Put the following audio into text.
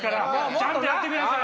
ちゃんとやってください！